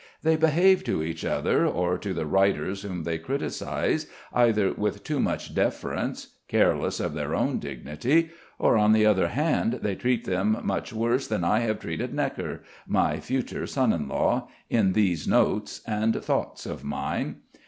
They behave to each other or to the writers whom they criticise either with too much deference, careless of their own dignity, or, on the other hand, they treat them much worse than I have treated Gnekker, my future son in law, in these notes and thoughts of mine.